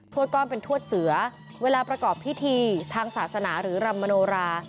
วดก้อนเป็นทวดเสือเวลาประกอบพิธีทางศาสนาหรือรำมโนรา